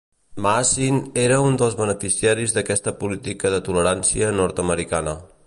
Maasin era un dels beneficiaris d'aquesta política de tolerància nord-americana.